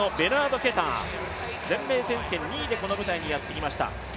全米選手権２位でこの世界陸上にやってきました。